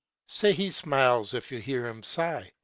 Say he smiles if you hear him sigh.